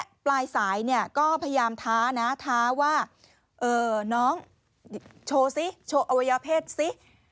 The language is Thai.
ก็พยายามท้านะท้าว่าเออน้องโชว์สิโชว์อวัยเภชสิ